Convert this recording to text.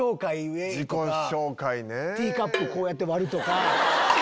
ティーカップこうやって割るとか。